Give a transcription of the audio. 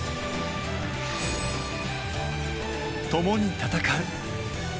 共に戦う。